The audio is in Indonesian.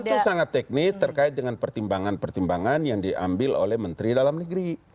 itu sangat teknis terkait dengan pertimbangan pertimbangan yang diambil oleh menteri dalam negeri